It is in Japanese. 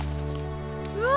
うわ！